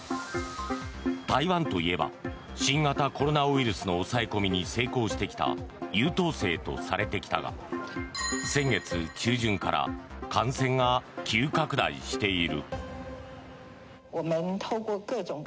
台湾といえば新型コロナウイルスの抑え込みに成功してきた優等生とされてきたが先月中旬から感染が急拡大している。